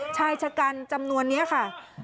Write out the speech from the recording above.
ชายชะกันจำนวนนี้ค่ะ